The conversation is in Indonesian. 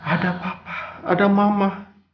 ada papa ada mama